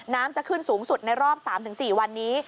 จะขึ้นสูงสุดในรอบ๓๔วันนี้